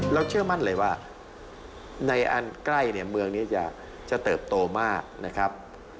เชื่อมั่นเลยว่าในอันใกล้เนี่ยเมืองนี้จะเติบโตมากนะครับ